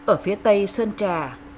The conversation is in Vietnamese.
ở phía tây sân trà